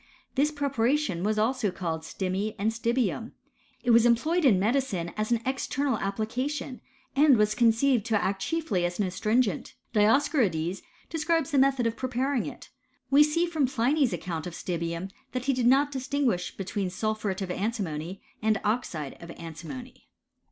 This preparation was also called stimmi and stibium. It was employed in medicine as an external application, and was conceived to act chiefly as an astringent; Dios corides describes the method of preparing it. We see, from Pliny's account of stibium, that he did not distinguish between sulphuret of antimony and oxide of antimony.